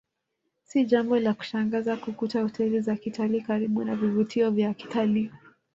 Si jambo la kushangaza kukuta hoteli za kitalii karibu na vivutio vya kitalii